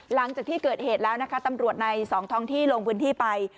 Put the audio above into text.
หลังจากที่เกิดเหตุแล้วนะคะตำรวจในสองท้องที่ลงพื้นที่ไป